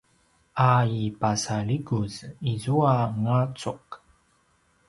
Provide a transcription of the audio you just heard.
a i pasalikuz izua ngacuq